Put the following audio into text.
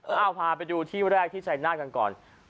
เอาพาไปดูที่แรกที่ชายนาฏกันก่อน